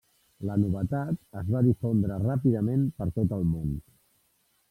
La novetat es va difondre ràpidament per tot el món.